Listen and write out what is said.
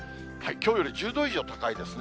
きょうより１０度以上高いですね。